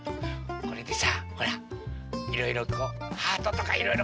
これでさほらいろいろとハートとかいろいろかいてみて！